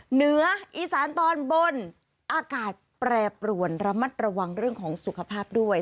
เหนืออีสานตอนบนอากาศแปรปรวนระมัดระวังเรื่องของสุขภาพด้วย